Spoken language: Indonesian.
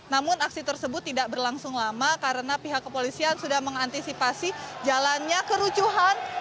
namun aksi tersebut tidak berlangsung lama karena pihak kepolisian sudah mengantisipasi jalannya kerucuhan